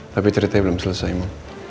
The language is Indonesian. tapi ceritanya belum selesai mbak